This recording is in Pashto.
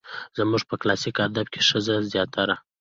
زموږ په کلاسيک ادب کې ښځه زياتره